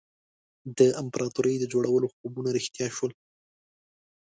د امپراطوري د جوړولو خوبونه رښتیا شول.